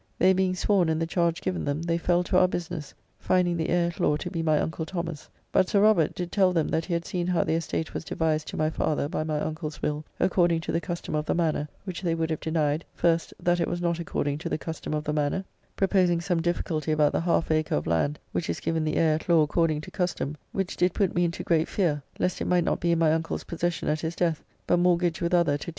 They being sworn and the charge given them, they fell to our business, finding the heir at law to be my uncle Thomas; but Sir Robert [Bernard] did tell them that he had seen how the estate was devised to my father by my uncle's will, according to the custom of the manour, which they would have denied, first, that it was not according to the custom of the manour, proposing some difficulty about the half acre of land which is given the heir at law according to custom, which did put me into great fear lest it might not be in my uncle's possession at his death, but mortgaged with other to T.